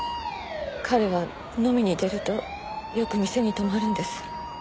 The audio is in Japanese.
彼は飲みに出るとよく店に泊まるんです。